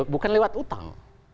bukan lewat utang